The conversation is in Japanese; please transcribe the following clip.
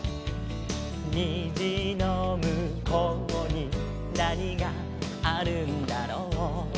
「にじのむこうになにがあるんだろう」